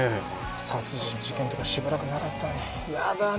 殺人事件とかしばらくなかったのにヤダね